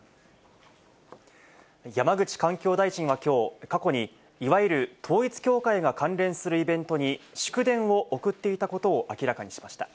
山口環境大臣はきょう、過去にいわゆる統一教会が関連するイベントに祝電を送っていたことを明らかにしました。